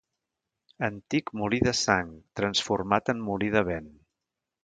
Antic molí de sang, transformat en molí de vent.